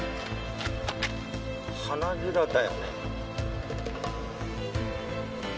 花びらだよね？